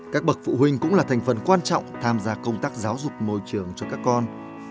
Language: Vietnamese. các bậc phụ huynh cũng là thành phần quan trọng tham gia công tác giáo dục môi trường cho các con